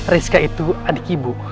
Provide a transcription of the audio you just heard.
rizka itu adik ibu